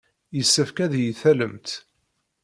Yessefk ad iyi-tallemt.